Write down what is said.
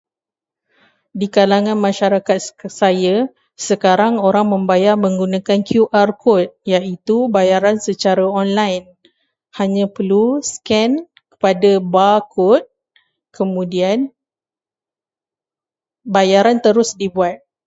Di kalangan masyarakat saya, sekarang orang membayar menggunakan QR code, iaitu bayaran secara online. Hanya perlu scan pada bar kod, kemudian, bayaran terus dibuat.